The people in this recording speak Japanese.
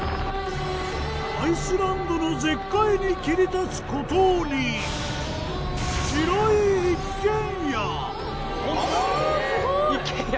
アイスランドの絶海に切り立つ孤島に白いほんとだ一軒家。